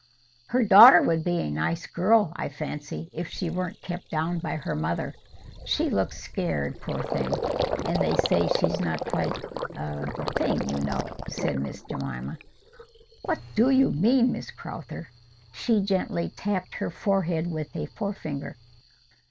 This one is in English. "Her daughter would be a nice girl, I fancy, if she weren't kept down by her mother. She looks scared, poor thing! And they say she's not quite—the thing, you know," said Miss Jemima. "What DO you mean, Miss Crowther?" She gently tapped her forehead with a forefinger.